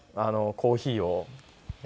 コーヒーを？